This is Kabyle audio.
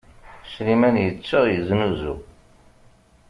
Sliman yettaɣ yeznuzu.